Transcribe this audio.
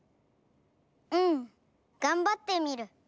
うんがんばってみる！